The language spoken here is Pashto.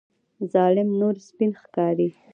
ظالم نور سپین ښکاري.